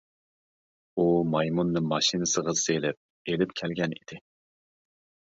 ئۇ مايمۇننى ماشىنىسىغا سېلىپ ئېلىپ كەلگەن ئىدى.